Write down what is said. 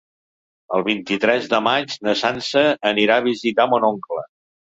El vint-i-tres de maig na Sança anirà a visitar mon oncle.